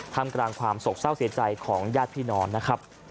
ทำกลางความโศกเศร้าเสียใจของญาติพี่น้องนะครับ